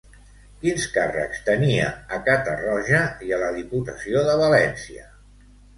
Quins càrrecs tenia a Catarroja i a la Diputació de València?